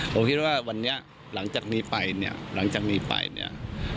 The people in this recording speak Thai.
ผมคิดว่าวันนี้หลังจากนี้ไปเนี่ย